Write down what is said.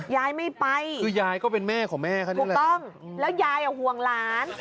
ยายไม่ไปคือยายก็เป็นแม่ของแม่เขานะถูกต้องแล้วยายห่วงหลาน